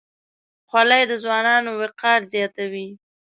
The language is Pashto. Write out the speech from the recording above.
خولۍ د ځوانانو وقار زیاتوي.